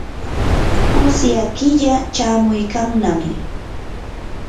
usya killa chamuykannami.